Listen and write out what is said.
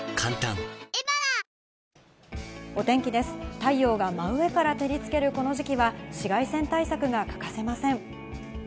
太陽が真上から照りつけるこの時期は紫外線対策が欠かせません。